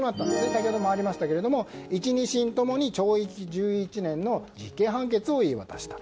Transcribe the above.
先ほどもありましたが１、２審ともに懲役１１年の実刑判決を言い渡した。